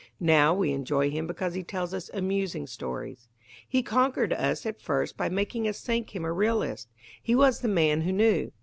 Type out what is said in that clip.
Now we enjoy him because he tells us amusing stories. He conquered us at first by making us think him a realist. He was the man who knew.